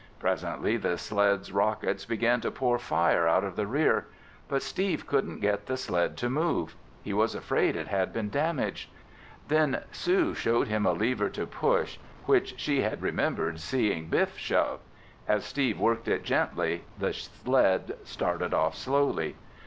Presently the sled's rockets began to pour fire out of the rear. But Steve couldn't get the sled to move. He was afraid it had been damaged. Then Sue showed him a lever to push which she had remembered seeing Biff shove. As Steve worked it gently, the sled started off slowly.